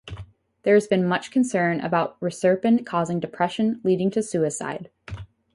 There has been much concern about reserpine causing depression leading to suicide.